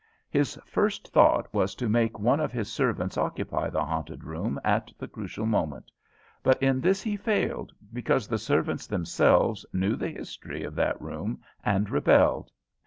His first thought was to make one of his servants occupy the haunted room at the crucial moment; but in this he failed, because the servants themselves knew the history of that room and rebelled.